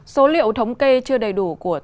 số liệu thống kê chưa đầy đủ của tổng thống